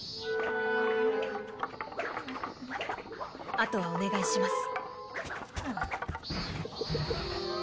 あとはお願いします。